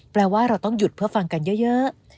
แปลว่าเราต้องหยุดเพื่อฟังกันเยอะ